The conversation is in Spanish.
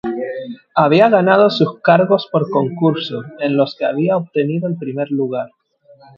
Había ganado sus cargos por concurso, en los que había obtenido el primer lugar.